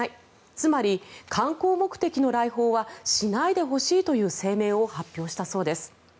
つまり、観光目的の来訪はしないでほしいという声明を発表したそうです。